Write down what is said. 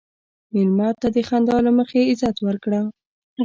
مېلمه ته د خندا له مخې عزت ورکړه.